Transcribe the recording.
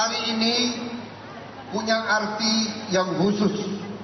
hari ini punya arti yang khusus